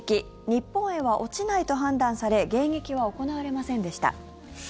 日本へは落ちないと判断され迎撃は行われませんでした。